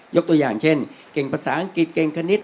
ยกตัวอย่างเช่นเก่งภาษาอังกฤษเก่งคณิต